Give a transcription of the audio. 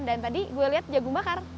dan tadi gue liat jagung bakar